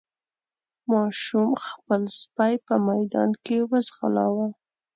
ماشوم خپل سپی په ميدان کې وځغلاوه.